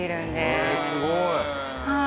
へえすごい。